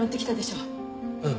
うん。